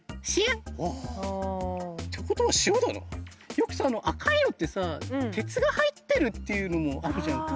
よくさあの赤いのってさあ鉄が入ってるっていうのもあるじゃんか。